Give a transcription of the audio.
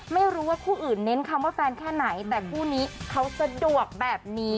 ไม่รู้ว่าคู่อื่นเน้นคำว่าแฟนแค่ไหนแต่คู่นี้เขาสะดวกแบบนี้